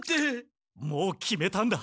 もう決めたんだ。